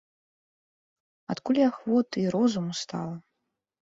Адкуль і ахвоты, і розуму стала?